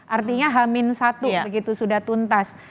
artinya hamin satu begitu sudah tuntas